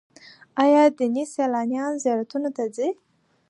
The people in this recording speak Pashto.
آیا دیني سیلانیان زیارتونو ته راځي؟